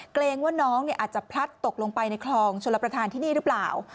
เกรงว่าน้องอาจจะพลัดตกลงไปในคลองชลประธานที่นี่หรือเปล่า